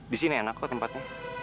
di sini enak kok tempatnya